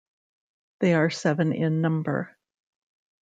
They are seven in number.